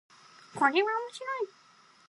これは面白い